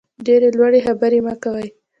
ډېرې لوړې خبرې مه کوئ.